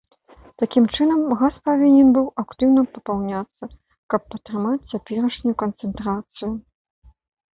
Такім чынам, газ павінен быў актыўна папаўняцца, каб падтрымаць цяперашнюю канцэнтрацыю.